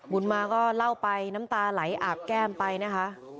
บุญมาก็เล่าไปน้ำตาไหลอาบแก้มไปนะคะ